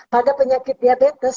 pada penyakit diabetes